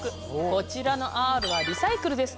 こちらのＲはリサイクルです！